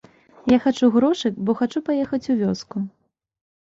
Я хачу грошы, бо хачу паехаць у вёску.